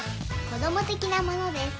子ども的なものです。